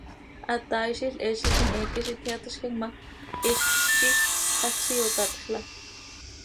Hataaizil heezitim heeque z iti hatazcam ma, hizcz quih haxz iyocatxla.